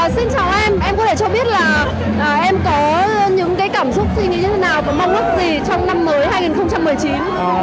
xin chào em em có thể cho biết là em có những cảm xúc suy nghĩ như thế nào có mong ước gì trong năm mới hai nghìn một mươi chín